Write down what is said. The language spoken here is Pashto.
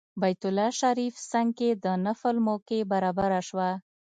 بیت الله شریف څنګ کې د نفل موقع برابره شوه.